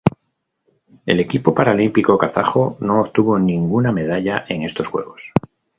El equipo paralímpico kazajo no obtuvo ninguna medalla en estos Juegos.